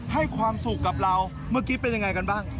ให้ความสุขกับเราเมื่อกี้เป็นยังไงกันบ้าง